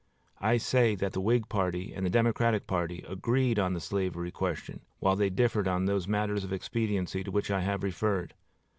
I say that the Whig party and the Democratic party agreed on the slavery question, while they differed on those matters of expediency to which I have referred.